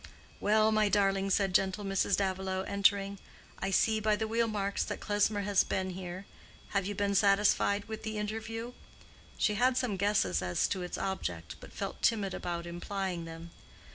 "Well, my darling," said gentle Mrs. Davilow, entering, "I see by the wheel marks that Klesmer has been here. Have you been satisfied with the interview?" She had some guesses as to its object, but felt timid about implying them.